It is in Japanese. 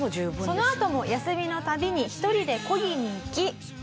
そのあとも休みの度に１人でこぎに行き。